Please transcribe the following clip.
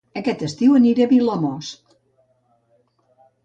Aquest estiu aniré a Vilamòs